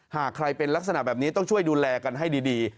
หากใครเป็นลักษณะแบบนี้ต้องช่วยดูแลกันให้ดี